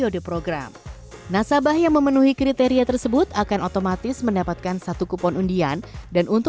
kedua setelah poin terkumpul nasabah dapat melakukan penukaran bri point di brimo menjadi voucher belanja dan kupon undian berhadiah yang akan diundi pada januari dua ribu dua puluh empat